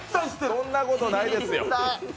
そんなことないですよ。